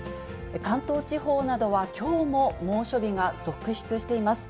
関東地方などはきょうも猛暑日が続出しています。